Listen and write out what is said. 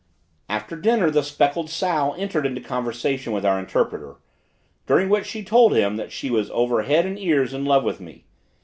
After dinner the speckled sow entered into conversation with our interpreter, during which she told him that she was overhead and ears in love with me.